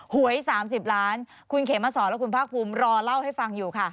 หวย๓๐ล้านคุณเขมสอนและคุณภาคภูมิรอเล่าให้ฟังอยู่ค่ะ